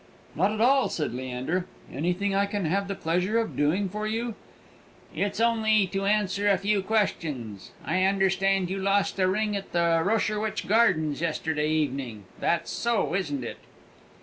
"Not at all," said Leander. "Anything I can have the pleasure of doing for you " "It's only to answer a few questions. I understand you lost a ring at the Rosherwich Gardens yesterday evening: that's so, isn't it?"